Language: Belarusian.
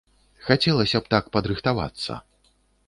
Хацелася б так падрыхтавацца.